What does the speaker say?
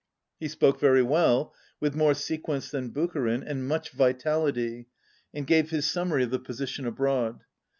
He spoke very well, with more sequence than Bucharin, and much vitality, and gave his sum mary of the position abroad.